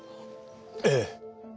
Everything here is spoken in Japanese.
ええ。